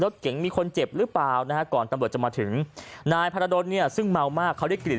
รถเก๋งมีคนเจ็บหรือเปล่านะฮะก่อนตำรวจจะมาถึงนายพารดลเนี่ยซึ่งเมามากเขาได้กลิ่น